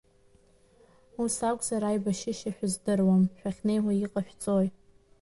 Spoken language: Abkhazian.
Ус акәзар, аибашьышьа шәыздыруам, шәахьнеиуа иҟашәҵои?